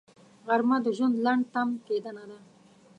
غرمه د ژوند لنډ تم کېدنه ده